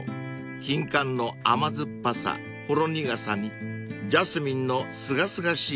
［金柑の甘酸っぱさほろ苦さにジャスミンのすがすがしい香り］